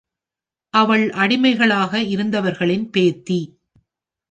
அவள் அடிமைகளாக இருந்தவர்களின் பேத்தி.